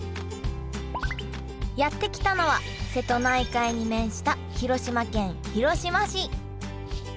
やって来たのは瀬戸内海に面した広島県広島市